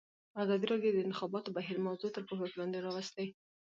ازادي راډیو د د انتخاباتو بهیر موضوع تر پوښښ لاندې راوستې.